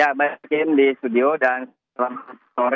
saya sudah beri informasi terakhir di studio dan selama sore